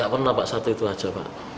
pernah pak satu itu aja pak